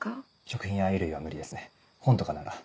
食品や衣類は無理ですね本とかなら。